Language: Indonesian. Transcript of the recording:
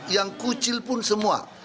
yang kucil pun semua